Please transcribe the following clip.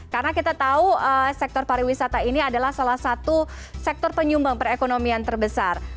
karena kita tahu sektor pariwisata ini adalah salah satu sektor penyumbang perekonomian terbesar